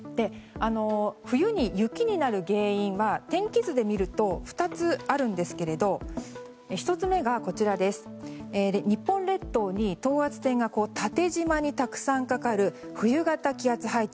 冬に雪になる原因は天気図で見ると２つあるんですが１つ目が、日本列島に等圧線が縦じまにたくさんかかる冬型気圧配置。